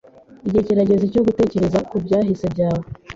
Igihe kirageze cyo gutekereza ku byahise byawe.